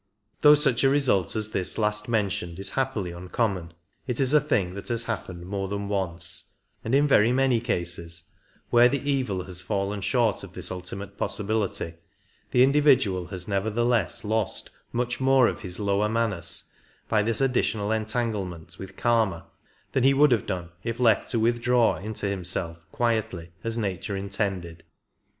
Though such a result as this last mentioned is happily uncommon, it is a thing that has happened more than once ; and in very many cases where 30 the evil has fallen short of this ultimate possibility, the individual has nevertheless lost much more of his lower Manas by this additional entanglement with Kama than he would have done if left to withdraw into himself quietly as nature intended.